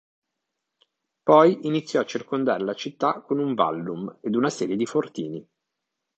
Poi iniziò a circondare la città con un "vallum" ed una serie di fortini.